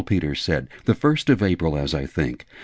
Peter said. 'The First of April, as I think.